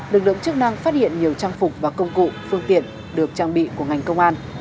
lực lượng chức năng phát hiện nhiều trang phục và công cụ phương tiện được trang bị của ngành công an